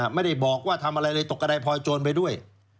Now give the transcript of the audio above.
ไม่ได้บอกว่าทำอะไรเลยตกกระดายพลอยโจรไปด้วย